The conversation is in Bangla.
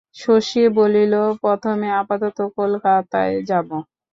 শশী বলিল, প্রথমে আপাতত কলকাতায় যাব।